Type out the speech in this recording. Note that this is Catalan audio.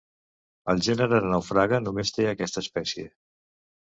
El gènere Naufraga només té aquesta espècie.